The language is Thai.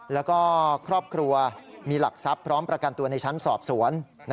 แล้วก็ครอบครัวมีหลักทรัพย์พร้อมประกันตัวในชั้นสอบสวน